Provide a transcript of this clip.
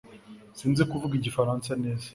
Sinzi kuvuga Igifaransa neza